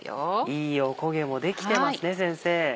いいおこげも出来てますね先生。